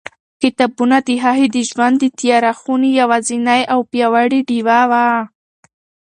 کتابونه د هغې د ژوند د تیاره خونې یوازینۍ او پیاوړې ډېوه وه.